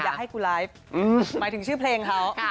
อยากให้กูไลฟ์